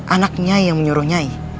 anak nyai yang menyuruh nyai